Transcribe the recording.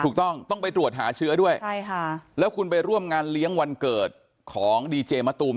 ถูกต้องต้องไปตรวจหาเชื้อด้วยใช่ค่ะแล้วคุณไปร่วมงานเลี้ยงวันเกิดของดีเจมะตูม